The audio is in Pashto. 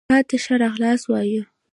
تاته ښه راغلاست وايو